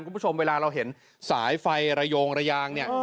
คุณผู้ชมเวลาเราเห็นสายไฟระโยงระยางเนี่ย